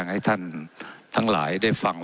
ว่าการกระทรวงบาทไทยนะครับ